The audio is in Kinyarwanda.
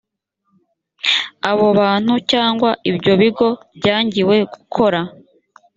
abo bantu cyangwa ibyo bigo byangiwe gukora